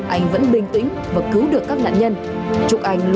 anh vẫn bình tĩnh và chú ý